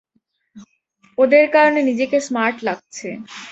ওদের কারণে নিজেকে স্মার্ট লাগছে।